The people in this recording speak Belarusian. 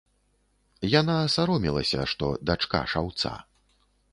Яна саромелася, што дачка шаўца.